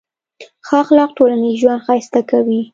ښه اخلاق ټولنیز ژوند ښایسته کوي.